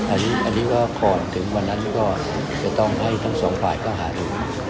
อันนี้ว่าพอถึงวันนั้นจะต้องให้ทั้งสองภายค่าหาดู